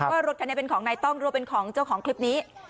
ว่ารถคันนี้เป็นของนายต้องรู้ว่าเป็นของเจ้าของคลิปนี้